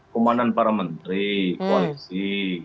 komandan para menteri polisi